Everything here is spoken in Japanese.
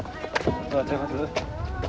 おはようございます。